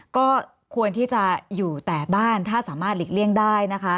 ก็ควรที่จะอยู่แต่บ้านถ้าสามารถหลีกเลี่ยงได้นะคะ